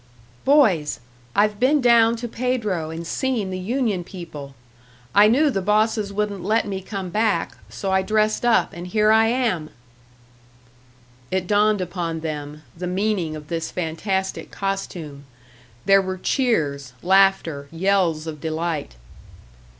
"Boys! I've been down to Pedro and seen the union people. I knew the bosses wouldn't let me come back, so I dressed up, and here I am!" It dawned upon them, the meaning of this fantastic costume; there were cheers, laughter, yells of delight.